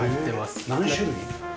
何種類？